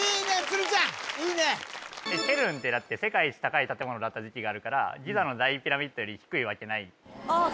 鶴ちゃんいいねケルンってだって世界一高い建物だった時期があるからギザの大ピラミッドより低いわけないああ